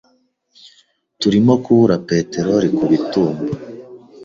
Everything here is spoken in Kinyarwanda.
Turimo kubura peteroli kubitumba.